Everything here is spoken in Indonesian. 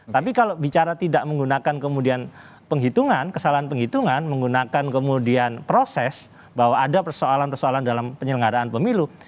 tapi kalau bicara tidak menggunakan kemudian penghitungan kesalahan penghitungan menggunakan kemudian proses bahwa ada persoalan persoalan dalam penyelenggaraan pemilu